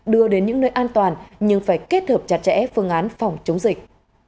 đưa đến những nơi an toàn nhưng phải kết hợp chặt chẽ phương án phòng chống dịch